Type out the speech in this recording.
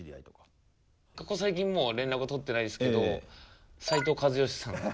ここ最近もう連絡は取ってないですけど斉藤和義さん。